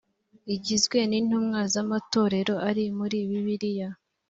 igizwe n’intumwa z’amatorero ari muri bibiliya